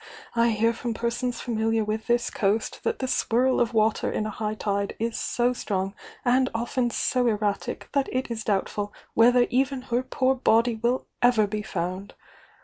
I hear from persons familiar wi h this coast that the swirl of water in a high tide is so strong and often so erratic that it is doubtful whether even her poor body will ever be found!